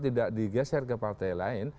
tidak digeser ke partai lain